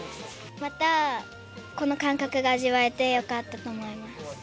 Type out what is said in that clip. またこの感覚が味わえてよかったと思います。